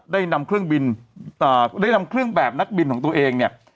ได้นำเครื่องบินได้นำเครื่องแบบนักบินของตัวเองเนี่ย